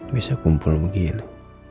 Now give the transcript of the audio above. bisa kumpul begini